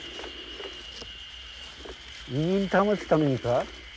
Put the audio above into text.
威厳保つためにか？